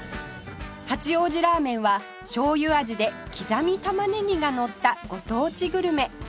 八王子ラーメンはしょうゆ味で刻み玉ねぎがのったご当地グルメ